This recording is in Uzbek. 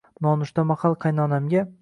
Nonushta mahal qaynonamga